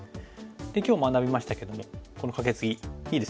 で今日学びましたけどもこのカケツギいいですよね。